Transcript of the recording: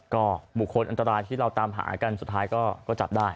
ก็บุคคลอันตรายที่เราตามหากันสุดท้ายก็จับได้